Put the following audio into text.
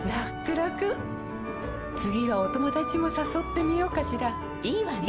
らくらくはお友達もさそってみようかしらいいわね！